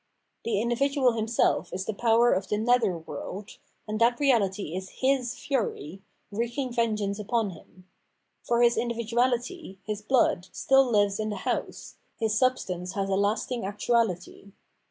The individual MmseH is the power of the " nether " world, and that reality is his "fury," wreaking vengeance upon him.* For his individuahty, his blood, still hves in the house, his substance has a lasting actuahty.